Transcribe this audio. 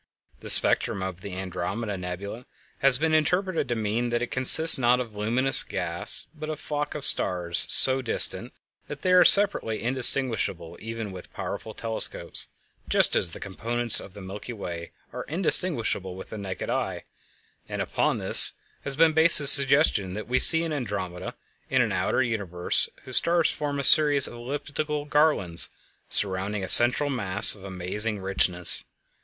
The spectrum of the Andromeda Nebula has been interpreted to mean that it consists not of luminous gas, but of a flock of stars so distant that they are separately indistinguishable even with powerful telescopes, just as the component stars of the Milky Way are indistinguishable with the naked eye; and upon this has been based the suggestion that what we see in Andromeda is an outer universe whose stars form a series of elliptical garlands surrounding a central mass of amazing richness.